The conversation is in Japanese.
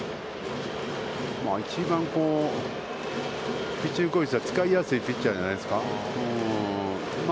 一番ピッチングコーチとしては、使いやすいピッチャーじゃないですか。